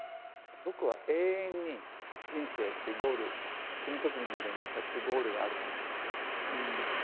僕は永遠に人生ってゴール死ぬときにまで向かってゴールがあると思ってて。